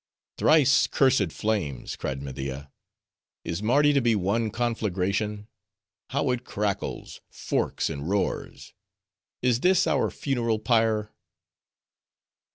"Thrice cursed flames!" cried Media. "Is Mardi to be one conflagration? How it crackles, forks, and roars!—Is this our funeral pyre?"